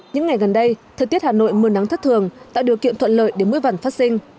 những ngày gần đây thời tiết hà nội mưa nắng thất thường đã điều kiện thuận lợi để mưa vẳn phát sinh